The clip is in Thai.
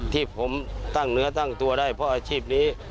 ที่ผมตั้งเนื้อตั้งตัวได้เพราะอาชีพนี้